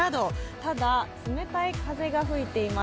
ただ、冷たい風が吹いています。